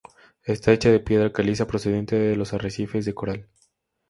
Está hecha de piedra caliza procedente de los arrecifes de coral